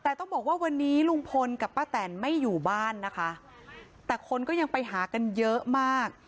แต่ต้องบอกว่าวันนี้ลุงพลกับป้าแตนไม่อยู่บ้านนะคะแต่คนก็ยังไปหากันเยอะมาก